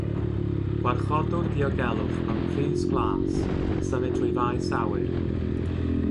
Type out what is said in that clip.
Gwarchodwr diogelwch mewn crys glas yn symud trwy faes awyr.